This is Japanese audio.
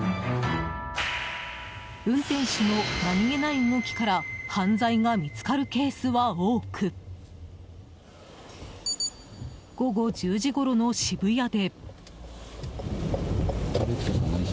運転手の何気ない動きから犯罪が見つかるケースは多く午後１０時ごろの渋谷で。